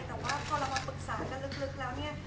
แต่พอเรามาปรึกษากันฤทธิ์แล้วเนี่ย